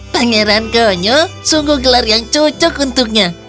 pangeran konyol sungguh gelar yang cocok untuknya